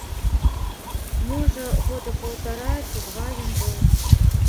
Можа, года паўтара ці два ён быў.